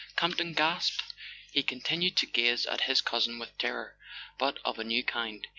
Campton gasped. He continued to gaze at his cousin with terror, but of a new kind.